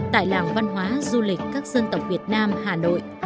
tại làng văn hóa du lịch các dân tộc việt nam hà nội